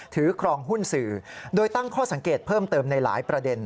ครองหุ้นสื่อโดยตั้งข้อสังเกตเพิ่มเติมในหลายประเด็น